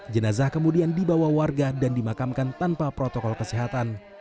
jenazah kemudian dibawa warga dan dimakamkan tanpa protokol kesehatan